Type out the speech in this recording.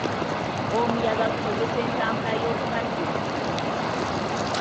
Omuyaga gukosezza entambula y'oku mazzi mu kitundu.